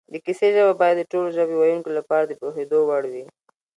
د کیسې ژبه باید د ټولو ژبې ویونکو لپاره د پوهېدو وړ وي